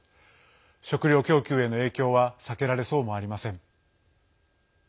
食料供給への影響は避けられそうもありません。